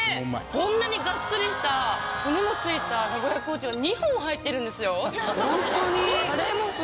こんなにガッツリした骨も付いた名古屋コーチンが２本入ってるんですよ